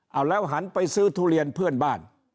เอาแล้วหันไปซื้อทุเรียนเพื่อนบ้าน